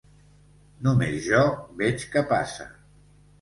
Només jo veig què passa.